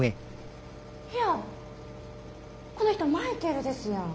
いやぁこの人マイケルですやん。